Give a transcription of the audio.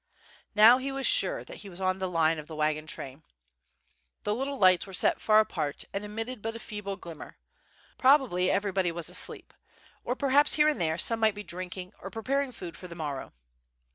Now he was sure that he was on the line of the wagon train. The little lights were set far apart and emitted but a feeble glim mer. Probably everybody was asleep, or perhaps here and there some might be drinking or preparing food for the morrow.